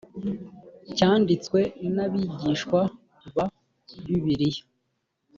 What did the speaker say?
cyanditswe n abigishwa ba bibiliya